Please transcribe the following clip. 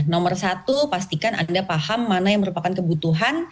nomor satu pastikan anda paham mana yang merupakan kebutuhan